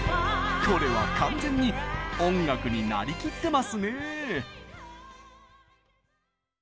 これは完全に音楽になりきってますね！